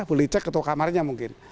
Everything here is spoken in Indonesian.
boleh cek ketua kamarnya mungkin